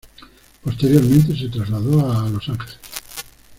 Posteriormente se trasladó a Los Ángeles.